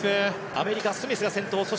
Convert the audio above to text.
アメリカスミスが先頭。